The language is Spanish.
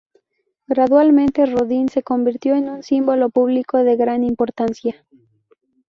Gradualmente, Rodin se convirtió en un símbolo público de gran importancia.